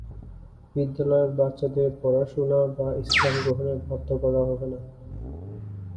বিদ্যালয়ের বাচ্চাদের পড়াশোনা বা ইসলাম গ্রহণে বাধ্য করা হবে না।